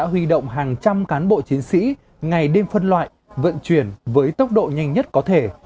huy động hàng trăm cán bộ chiến sĩ ngày đêm phân loại vận chuyển với tốc độ nhanh nhất có thể